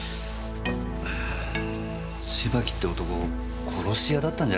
芝木って男殺し屋だったんじゃないんですかね？